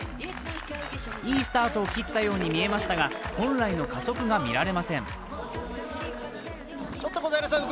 いいスタートを切ったように見えましたが本来の加速がみられません。